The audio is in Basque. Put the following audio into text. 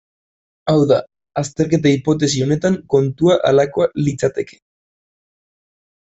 Hau da, azterketa hipotesi honetan kontua halakoa litzateke.